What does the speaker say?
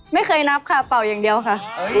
ไม่เคยนับค่ะเป่าอย่างเดียวค่ะ